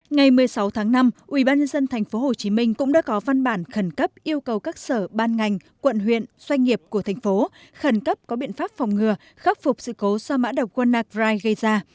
ngày một mươi sáu tháng năm ubnd tp hcm cũng đã có văn bản khẩn cấp yêu cầu các sở ban ngành quận huyện doanh nghiệp của thành phố khẩn cấp có biện pháp phòng ngừa khắc phục sự cố do mã độc konacride gây ra